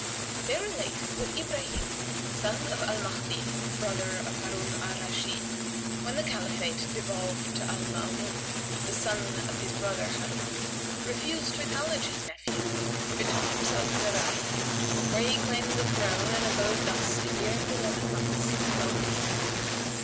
They relate that Ibrahнm, son of al Mahdн,[FN#148] brother of Harun al Rashid, when the Caliphate devolved to Al Maamun, the son of his brother Harun, refused to acknowledge his nephew and betook himself to Rayy[FN#149]; where he claimed the throne and abode thus a year and eleven months and twelve days.